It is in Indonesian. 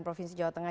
provinsi jawa tengah